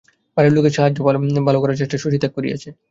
বাড়ির লোকের স্বাস্থ্য ভালো করার চেষ্টা শশী ত্যাগ করিয়াছে।